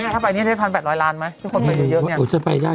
ถ้าไปนี่ได้๑๘๐๐ล้านไหมทุกคนไปเยอะเนี่ย